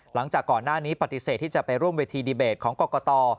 หลังจากก่อนหน้านี้ปฏิเสธที่จะไปร่วมเวทีดีเบตของกรกต